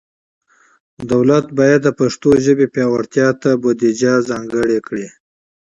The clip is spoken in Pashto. دولت باید د پښتو ژبې پیاوړتیا ته بودیجه ځانګړي کړي.